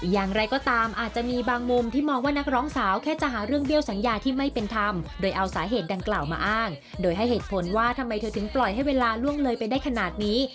อย่างไรก็ตามอาจจะมีบางมุมที่มองว่านักร้องสาวแค่จะหาเรื่องเบี้ยวสัญญาที่ไม่เป็นธรรมโดยเอาสาเหตุดังกล่าวมาอ้างโดยให้เหตุผลว่าทำไมเธอถึงปล่อยให้เวลาล่วงเลยไปได้ขนาดนี้